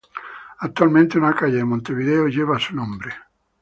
Actualmente, una calle de Montevideo lleva su nombre.